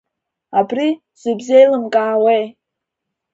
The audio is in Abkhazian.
Абри зыбзеилымкаауеи?